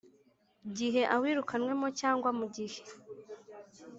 Gihe awirukanywemo cyangwa mu gihe